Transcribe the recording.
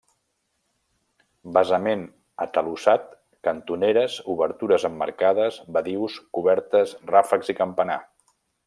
Basament atalussat, cantoneres, obertures emmarcades, badius, cobertes, ràfecs i campanar.